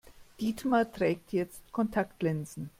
Dietmar trägt jetzt Kontaktlinsen.